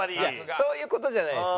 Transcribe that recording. そういう事じゃないです。